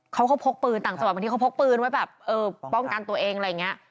เขาก็พกปืนต่างจังหวัดบางทีเขาพกปืนไว้แบบเออป้องกันตัวเองอะไรอย่างนี้